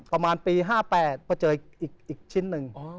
ประมาณปี๕๘พอเจออีกชิ้นหนึ่ง